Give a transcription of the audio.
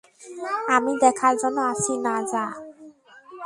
আমি দেখার জন্য আছি না, যা।